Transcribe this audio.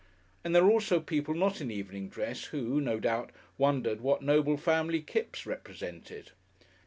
And there were also people not in evening dress who, no doubt, wondered what noble family Kipps represented.